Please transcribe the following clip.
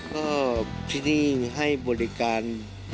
ก็ที่นี่ให้บริการ